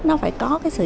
nó phải có sự chiến đấu